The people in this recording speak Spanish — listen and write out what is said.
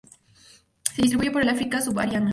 Se distribuye por el África subsahariana.